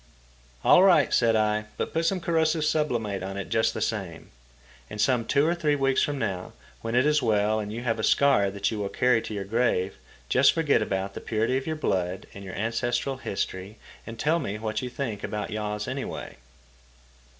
"All right," said I; "but put some corrosive sublimate on it just the same. And some two or three weeks from now, when it is well and you have a scar that you will carry to your grave, just forget about the purity of your blood and your ancestral history and tell me what you think about yaws anyway."